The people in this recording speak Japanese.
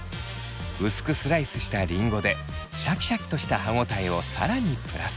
薄くスライスしたリンゴでシャキシャキとした歯応えを更にプラス。